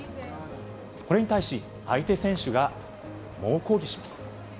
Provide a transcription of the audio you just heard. これに対し相手選手が猛抗議します。